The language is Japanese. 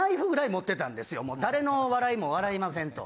誰の笑いも笑いませんと。